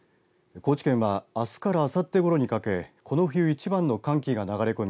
高知県はあすからあさってごろにかけこの冬一番の寒気が流れ込み